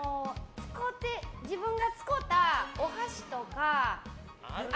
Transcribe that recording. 自分が使うたお箸とか。